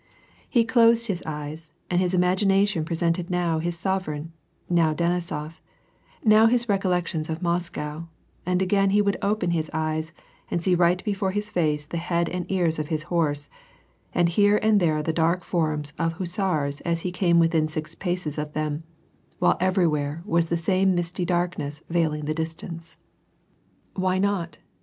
He closed his eyes and his imagination presented now his sovereign, now Denisof, now his recollections of Moscow, and again he would open his eyes and see right before his face the head and ears of his horse, and here and there the dark forms of hussars as he came within six paces of them, while every where there was the same misty darkness veiling the distance. •Tit, siupal molotit I WAR AND PEACE. 82S " Why not